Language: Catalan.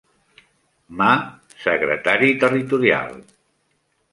Mà, secretari territorial.